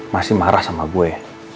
masih marah sama gue